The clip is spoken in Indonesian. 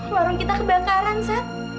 warung kita kebakaran sat